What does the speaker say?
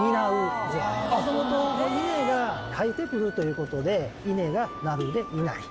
もともと稲が生えてくるということで「稲がなる」で「いなり」。